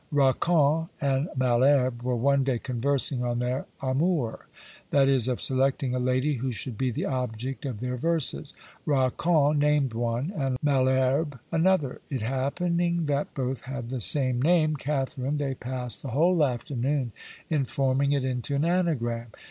Racan and Malherbe were one day conversing on their amours; that is, of selecting a lady who should be the object of their verses. Racan named one, and Malherbe another. It happening that both had the same name, Catherine, they passed the whole afternoon in forming it into an anagram.